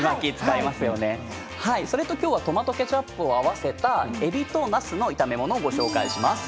それときょうはトマトケチャップを合わせたえびとなすの炒め物をご紹介します。